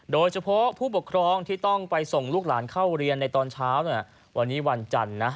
โดยเฉพาะผู้ปกครองที่ต้องไปส่งลูกหลานเข้าเรียนในตอนเช้าวันนี้วันจันทร์นะ